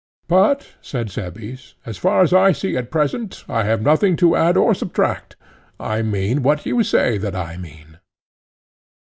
But, said Cebes, as far as I see at present, I have nothing to add or subtract: I mean what you say that I mean.